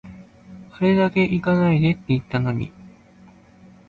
あれだけ行かないでって言ったのに